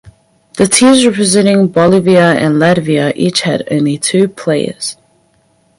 The teams representing Bolivia and Latvia each had only two players.